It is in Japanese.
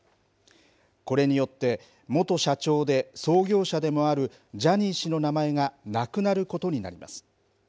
これによって、元社長で創業者でもあるジャニー氏の名前がなくなることになります。